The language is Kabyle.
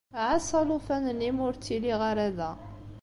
Ɛass alufan-nni mi ur ttiliɣ ara da.